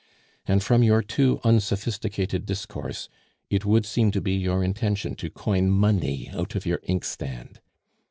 And from your too unsophisticated discourse, it would seem to be your intention to coin money out of your inkstand.